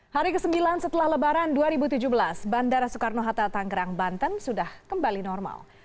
hari ke sembilan setelah lebaran dua ribu tujuh belas bandara soekarno hatta tanggerang banten sudah kembali normal